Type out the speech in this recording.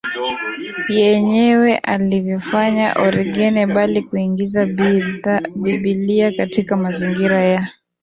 yenyewe alivyofanya Origene bali kuingiza Biblia katika mazingira ya